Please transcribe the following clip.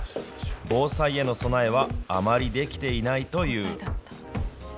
防災への備えは、あまりできていないという。